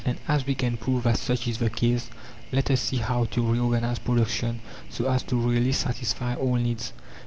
And as we can prove that such is the case, let us see how to reorganize production so as to really satisfy all needs.